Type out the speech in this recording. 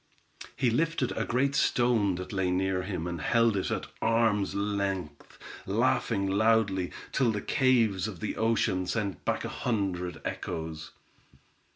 He lifted a great stone that lay near him, and held it at arms' length, laughing loudly, till the caves of the ocean sent back a hundred echoes.